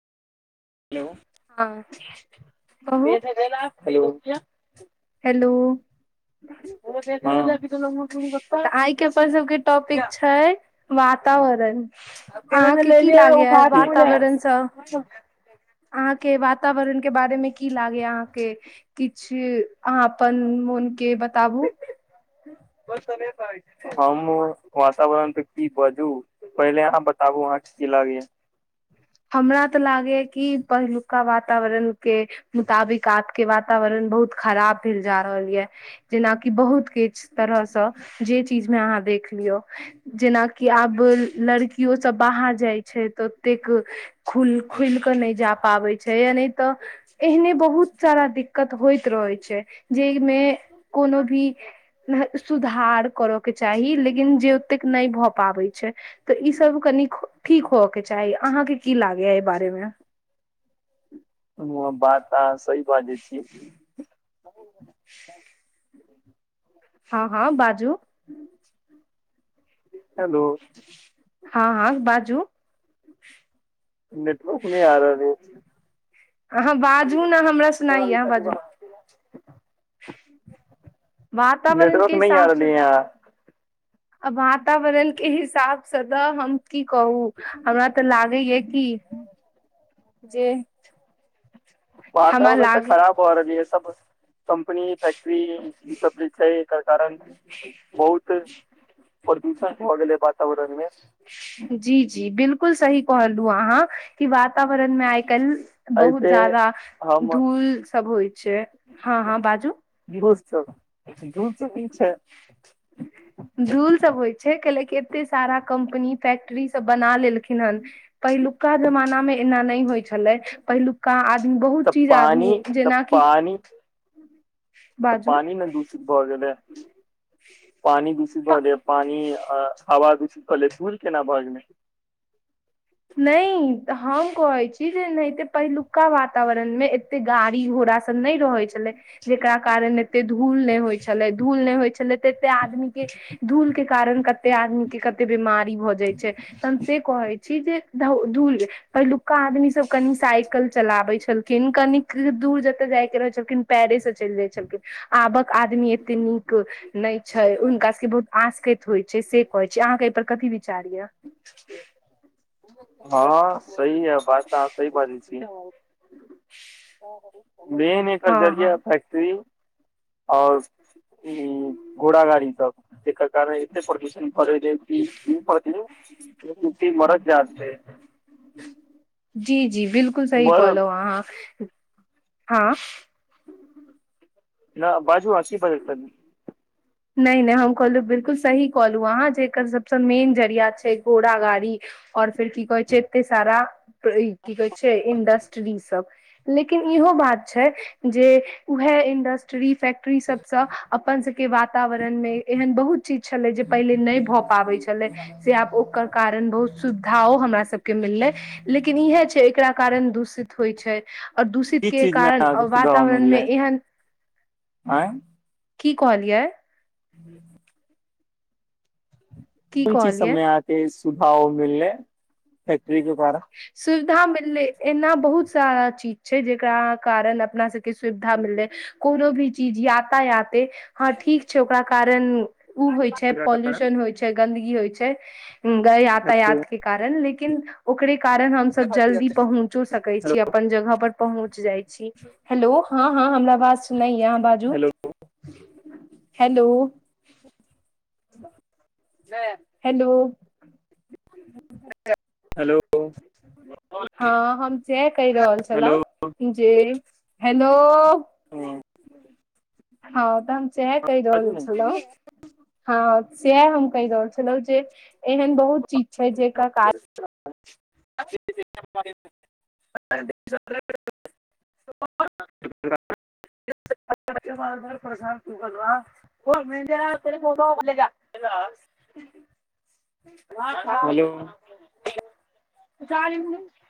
Hello हँ कहू hello hello त आय के अपन सबके टॉपिक छै वातावरण अहाँके की लागैया वातावरणसँ ह [inaudible] अहाँके वातावरण के बारे मे कि की लागेय अहाँके किछु अहाँ अपन मोन के बताबु हमु वातावरण पे की बाजू पहिले अहाँ बताबू अहाँ की लागै या हमरा त लागयै कि पहिलुका वातावरण के मुताबिक आब के वातावरण बहुत खराब भेल जा रहल यै जेनाकि बहुत के इस तरह स जे चिज़ मे आहा देख लियौ जेना कीआब लड़कि के किओ सब बाहर जाय छै त ओतेक खुल खुल के नहि जा पाबे छै छै या नहि त एहने बहुत सारा दिक्कत होइ रहै छै जेहिमे कोनो भी सुधार करय के चाही लेकिन जे ओतेक नहि भ पाबै छै तऽ ई सब कनि ठीक होय के चाही अहाँके की लागेया एहि बारे मे ह बात अहा सही बाजै छी [inaudible] हँ हँ बाजू हेलो हँ हँ बाजू नेटवर्क नहि आ रह अहाँ अछि बाजू ने हमरा सुनाइय अहाँ बाजू वातावरण के नेटवर्क नहि आ रहली याँ आ वातावरण के हिसाब से त हम की कहू हमरा त लागै या की जे हमरा वातावरण तऽ लागे खराब भ रहलै ह सब कम्पनी फैक्ट्री ई सब छै एकर कारण बहुत प्रदूषण भऽ गेलै वातावरण मे जी जी [unintelligible] बिलकुल सही कहलु अहाँ क वातावरण मे आइ काइल बहुत ऐसे जादा हम धूल सब होइ छै हँ हँ बाजू ' बेहोस सब धुल से होय छै [unintelligible] धूल सब होइ छै कैलेकी एते सारा कम्पनी फैक्ट्री सब बना लेलखिन हन पहिलुका जमानामे एना नहि होइ छलै पहिलुका आदमी बहुत चीज आदमी जेनाकि। अ [inaudible] बाजू पानि ने दूषित भए गेलै पानि दूषित भए गेल पानि आवाज उ सुतल ऐ सुन केना भऽ गेलै नहि हम कहैत छी जेनाहिते पहिलुका वातावरणमे एते गाड़ी घोड़ा सब नय रहै छै छलै जेकरा कारण एते धूल नय होइ छलै धूल नय होइ छलै तऽ एते आदमी क धूल के कारण कते आदमी के कते बीमारी भऽ जाइ छै तऽ हम से कहै छी जे ओ धूल [unintelligible] पहिलुका आदमी सब कनि साइकिल चलाबै छलखिन कन दूर जतऽ जायके रहै छलखिन पैरे से चेल जाइ छलखिन आबक आदमी एते नीक नहि छै हुनका सबके बहुत आसकेत होइ छै से कहै छै अहाँके एहि पर कथी विचार हँ सही यै बात तऽ आहा सही बाजै छी ह [unintelligible] मेन एकर जरिया फैक्ट्ररी और उ घोड़ा गाड़ी सब जेकर कारण एते प्रदूषण बढेत छै इ इ कहथिन मरद जात छै [unintelligible] जी जी बिलकुल सही बड़ कहलहो अहाँ न बाजू असी बदल कर [unintelligible] नहि नहि हम कहलहु बिलकुल सही कहलहु अहाँ जे एकर सबसँ मेन जरिया छै घोड़ा गाड़ी। और फेर की कहै छै एते सारा की कहै छै इंडस्ट्री सब। लेकिन इहो बात छै जे उएह इंडस्ट्री टी सबसँ अपन सबके वातावरण मे एहन बहु चीज छलै जे पहिले नहि भऽ पाबै छलै। से आब ओकर कारण बहुत सुविधाओ हमरा सबके मिललै लेकिन इएहे छै कारण दूषित होइ छै आओर दूषित ई के चीज मे कारण अहाँके सुझाव वातावरण मे मिललै एहन आँय की कहलियै हू की कोन चीज कहलियै सबमे अहाँके सुझाव मिलै फै्ट्री के द्वारा सुविधा मिललै एना बहुत सारा चीज छै जेकरा कारण अपना सबके सुविधा मिललै। कोनो भी चीज याता याते ' हँ ठीक छै ओकरा कारण ओ होइ छै पॉल्यूशन होइ छै गन्दगी होइ छै हेलो यातायात के कारण लेकिन ओकरे कारण हमसभ जल्दी पहुँचो सकै हेलो छी जगह पर पहुच जाइ छै हेलो हँ हँ हमरा बात सुनाै है अहाँ बाजू hello hello hello hello hello [unintelligible] हँ हम साह केह रहल हेलो छले जे हेलो हँ [inaudible] हँ तऽ हम सह कहि रहल ने छलहु हँ सएह हम कहि रहल छलहुँ जे एहन बहुत चीज छै जेके कारण [unintelligible] [unintelligible] [unintelligible] हेलो [inaudible]